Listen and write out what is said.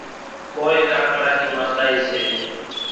ڪونئين ڪاڪڙا نِي مانۮائِي سي۔